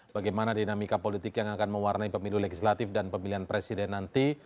bagaimana dinamika politik yang akan mewarnai pemilu legislatif dan pemilihan presiden nanti